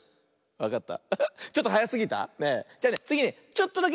わかった？